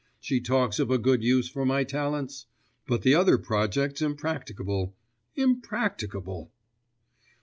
She talks of a good use for my talents?... but the other project's impracticable, impracticable....